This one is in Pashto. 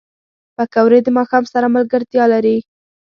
پکورې د ماښام سره ملګرتیا لري